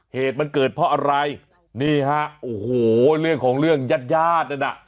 เหตุมันเกิดเพราะอะไรนี่ฮะโอ้โหเรื่องของเรื่องญาติญาตินั่นน่ะ